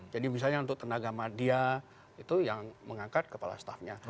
jadi misalnya untuk tenaga media itu yang mengangkat kepala stafnya